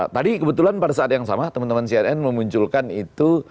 tadi kebetulan pada saat yang sama teman teman cnn memunculkan itu